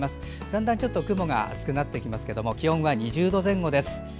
だんだん雲が厚くなってきますけど気温は２０度前後です。